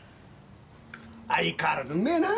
相変わらずうめぇなぁ！